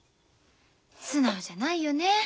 素直じゃないよね。